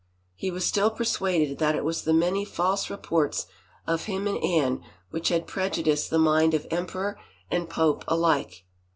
He was still persuaded that it was the many false reports of him and Anne which had prej udiced the mind of emperor and pope alike.